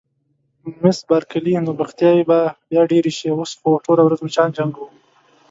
مس بارکلي: نو بوختیاوې به بیا ډېرې شي، اوس خو ټوله ورځ مچان جنګوو.